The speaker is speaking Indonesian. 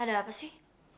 ada apa sih